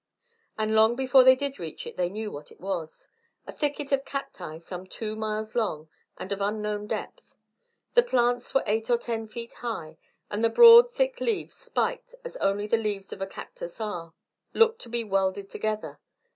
And long before they did reach it they knew what it was a thicket of cacti some two miles long and of unknown depth. The plants were eight or ten feet high, and the broad thick leaves, spiked, as only the leaves of the cactus are, looked to be welded together.